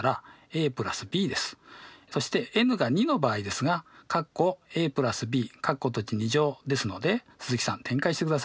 そしてｎが２の場合ですがですので鈴木さん展開してください。